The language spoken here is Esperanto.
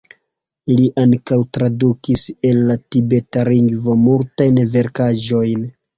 Li ankaŭ tradukis el la tibeta lingvo multajn verkaĵojn.